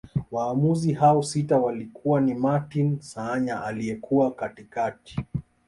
Waamuzi hao sita walikuwa ni Martin Saanya aliyekuwa katikati